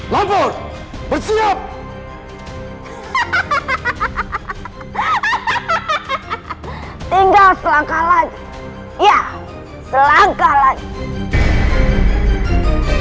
lapor bersiap hahaha tinggal selangkah lagi ya selangkah lagi